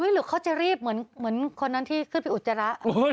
หรือเขาจะรีบเหมือนคนนั้นที่ขึ้นไปอุจจาระ